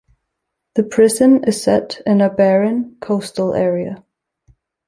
The prison is set in a barren coastal area.